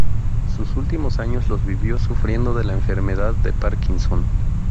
Sus últimos años los vivió sufriendo de la enfermedad de Parkinson.